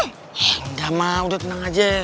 engga emak udah tenang aja